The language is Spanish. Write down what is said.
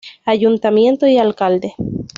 Ayuntamiento y alcalde